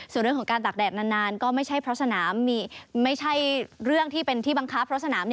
ส่วนเรื่องของการตากแดดนานก็ไม่ใช่เรื่องที่บังคับเพราะสนาม